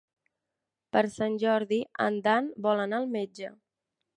Per Sant Jordi en Dan vol anar al metge.